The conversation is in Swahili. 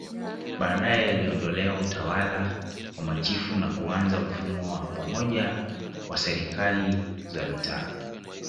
Baadae iliondolewa Utawala wa machifu na kuanza mfumo wa pamoja wa Serikali za Mitaa